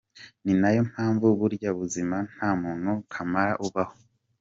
Ninayo mpamvu burya mubuzima nta muntu kamara ubaho.